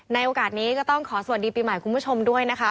ในโอกาสนี้ก็ต้องขอสวัสดีปีใหม่คุณผู้ชมด้วยนะคะ